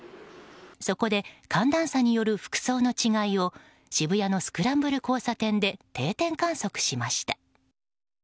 そこで寒暖差による服装の違いを渋谷のスクランブル交差点で定点観測しました。